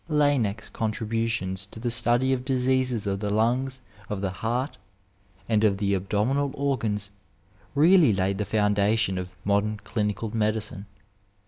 Laennec's contributions to the study of diseases of the lungs, of the heart, and of the abdominal organs really laid the foundation of modem dinical medicine.